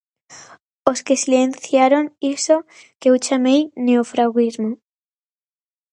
Os que silenciaron iso que eu chamei "neofraguismo".